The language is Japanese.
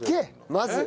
まず。